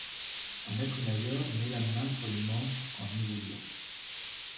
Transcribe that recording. Un maître-nageur met la main sur les manches en évoluant.